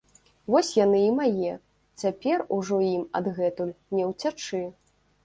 - Вось яны і мае! Цяпер ужо ім адгэтуль не ўцячы!